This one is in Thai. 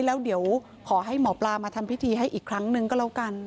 แล้วเดี๋ยวขอให้หมอปลามาทำพิธีให้อีกครั้งหนึ่งก็แล้วกัน